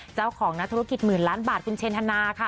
เจ้าของนักธุรกิจหมื่นล้านบาทคุณเชนธนาค่ะ